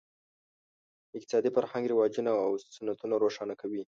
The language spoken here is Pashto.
د اقتصادي فرهنګ رواجونه او سنتونه روښانه کوي.